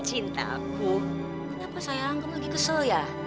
cinta aku kenapa sayang kamu lagi kesel ya